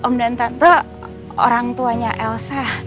om dan pro orang tuanya elsa